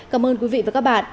cảm ơn quý vị và các bạn